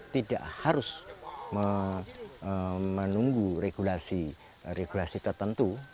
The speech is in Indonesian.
tidak harus menunggu regulasi regulasi tertentu